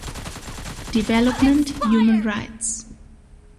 Development, Human Rights".